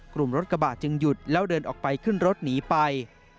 กลุ่มรถกระบะจึงหยุดแล้วเดินออกไปขึ้นรถหนีไป